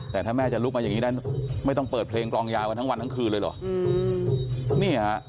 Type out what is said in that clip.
แต่ถ้าแม่จะลุกมาอย่างนี้ได้ไม่ต้องเปิดเพลงกลองยาวกันทั้งวันทั้งคืนเลยเหรอ